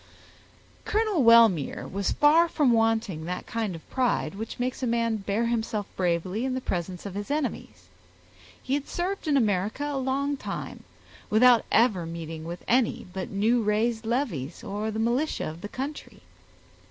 Colonel Wellmere was far from wanting that kind of pride which makes a man bear himself bravely in the presence of his enemies. He had served in America a long time, without ever meeting with any but new raised levies, or the militia of the country.